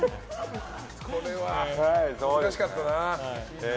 これは難しかったな。